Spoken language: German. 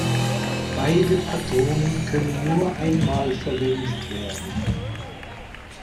Beide Patronen können nur einmal verwendet werden.